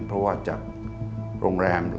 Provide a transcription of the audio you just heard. เพราะว่าจากโรงแรม